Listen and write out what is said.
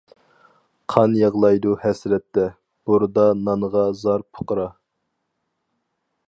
قان يىغلايدۇ ھەسرەتتە، بۇردا نانغا زار پۇقرا.